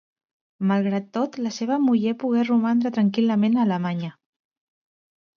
Malgrat tot, la seva muller pogué romandre tranquil·lament a Alemanya.